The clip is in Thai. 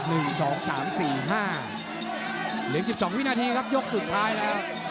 ๑๒วินาทีครับยกสุดท้ายแล้ว